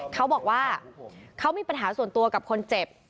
เขาบอกว่าเขามีปัญหาส่วนตัวกับคนเจ็บ